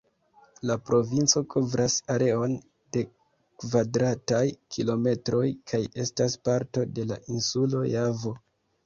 La provinco kovras areon de kvadrataj kilometroj kaj estas parto de la insulo Javo.